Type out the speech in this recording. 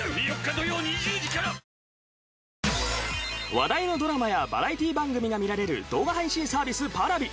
話題のドラマやバラエティー番組が見られる動画配信サービスＰａｒａｖｉ。